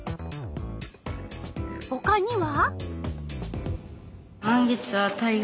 ほかには？